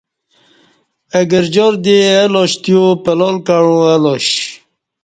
اہ گرجار دی اہ لاش تیو پلال کعو الاش